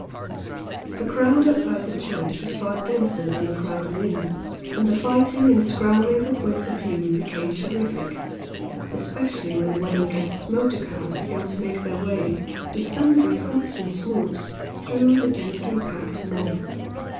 The crowd outside the church was far denser than the crowd within, and the fighting and scrambling for points of view became terrific, especially when the wedding guests' motor cars began to make their way, with sundry hoots and snorts, through the densely packed mob.